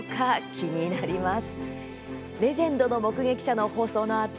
気になります。